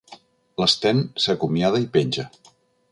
L'Sten s'acomiada i penja.